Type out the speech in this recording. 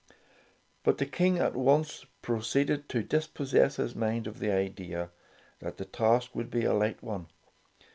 But the King at once proceeded to dis possess his mind of the idea that the task would be a light one.